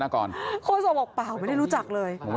คนส่วนบอกเปล่าไม่ได้รู้จักเลย